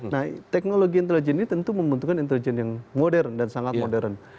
nah teknologi intelijen ini tentu membutuhkan intelijen yang modern dan sangat modern